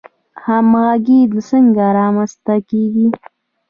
همغږي څنګه رامنځته کیږي؟